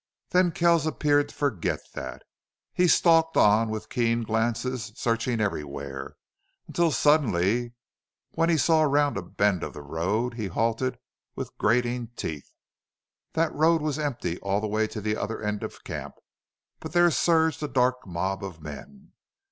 Then Kells appeared to forget that. He stalked on with keen glances searching everywhere, until suddenly, when he saw round a bend of the road, he halted with grating teeth. That road was empty all the way to the other end of camp, but there surged a dark mob of men.